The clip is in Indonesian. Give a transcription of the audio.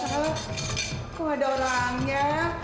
hah kok ada orangnya